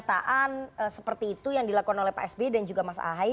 tapi pernyataan seperti itu yang dilakukan oleh pak s b dan juga mas ahai